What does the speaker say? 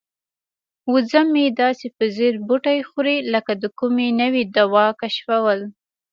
وزه مې داسې په ځیر بوټي خوري لکه د کومې نوې دوا کشفول.